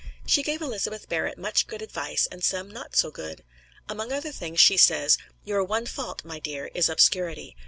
She gave Elizabeth Barrett much good advice and some not so good. Among other things she says: "Your one fault, my dear, is obscurity.